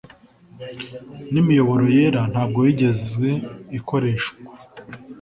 n'imiyoboro yera nta bwo yigeze ikoreshkwa